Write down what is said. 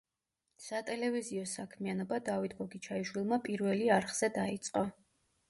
სატელევიზიო საქმიანობა დავით გოგიჩაიშვილმა „პირველი არხზე“ დაიწყო.